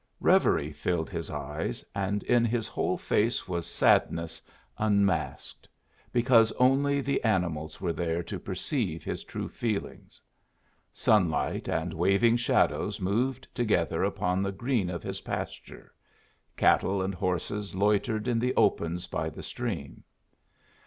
Revery filled his eyes, and in his whole face was sadness unmasked, because only the animals were there to perceive his true feelings. Sunlight and waving shadows moved together upon the green of his pasture, cattle and horses loitered in the opens by the stream.